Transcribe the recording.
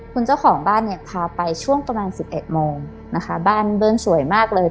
คุณเจ้าของบ้านเนี่ยพาไปช่วงประมาณสิบเอ็ดโมงนะคะบ้านเบิ้ลสวยมากเลย